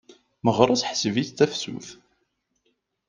Meɣres ḥseb-it d tafsut.